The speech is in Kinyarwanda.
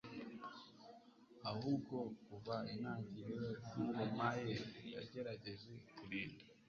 ahubwo kuva mu itangiriro ryingoma ye yagerageje kurinda